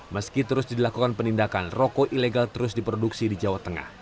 meski terus dilakukan penindakan rokok ilegal terus diproduksi di jawa tengah